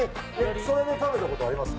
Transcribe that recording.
それは食べたことあります？